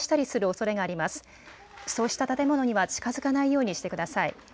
そうした建物には近づかないようにしてください。